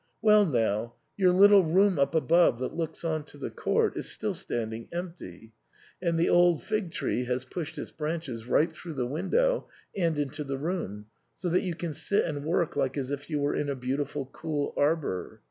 Well now, your little room up above, that looks on to the court, is still standing empty, and the old fig tree lias pushed its branches right through the window and into the room, so that you can sit and work like as if you was in a beautiful cool arbour.